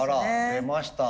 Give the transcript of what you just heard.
出ました。